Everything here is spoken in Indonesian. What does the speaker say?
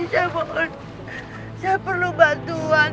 saya perlu bantuan